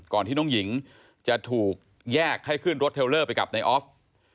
ที่น้องหญิงจะถูกแยกให้ขึ้นรถเทลเลอร์ไปกับนายออฟ